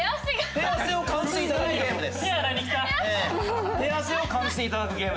手汗を感じていただくゲームでございます。